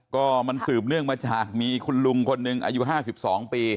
ก็มันสืบเนื่องมาจากมีคุณลุงคนหนึ่งอายุ๕๒ปี